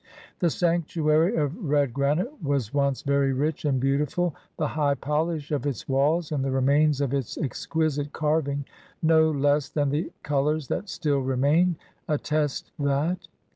The sanctuary of red granite was once very rich and beautiful ; the high polish of its walls and the remains of its exquisite carving, no less than the colors that still remain, attest that.